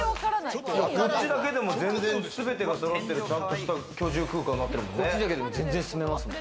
こっちだけでも全然全てが揃ってるちゃんとした居住空間になってるもんね。